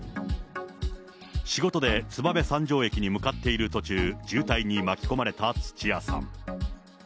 仕事で燕三条駅に向かっている途中、渋滞に巻き込まれた土屋さん。